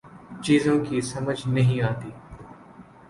چیزوں کی سمجھ نہیں آتی